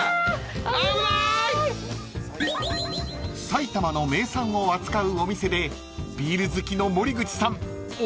［埼玉の名産を扱うお店でビール好きの森口さん思わず］